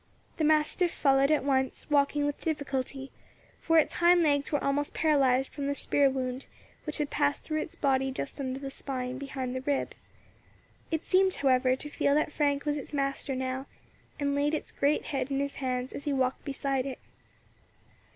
The mastiff followed at once, walking with difficulty, for its hind legs were almost paralysed from the spear wound, which had passed through its body just under the spine, behind the ribs. It seemed, however, to feel that Frank was its master now, and laid its great head in his hand as he walked beside it.